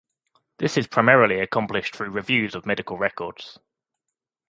This is primarily accomplished through reviews of medical records.